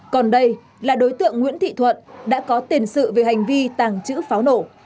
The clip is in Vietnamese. còn đây là đối tượng nguyễn thị thuận đã có tiền sự về hành vi tàng trữ pháo nổ